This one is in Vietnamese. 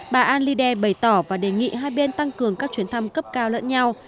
bà anne linder bày tỏ và đề nghị hai bên tăng cường các chuyến thăm cấp cao lẫn nhau